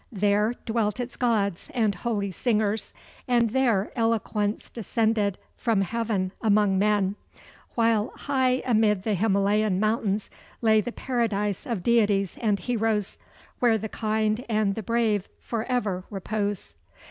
There dwelt its gods and holy singers; and there eloquence descended from heaven among men; while high amid the Himalayan mountains lay the paradise of deities and heroes, where the kind and the brave forever repose.